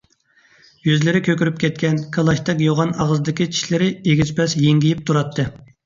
يۈزلىرى كۆكىرىپ كەتكەن، كالاچتەك يوغان ئاغزىدىكى چىشلىرى ئېگىز - پەس ھىڭگىيىپ تۇراتتى.